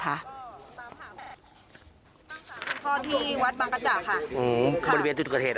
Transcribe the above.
เพราะว่าวันที่พ่อเสียก็คือวันพระ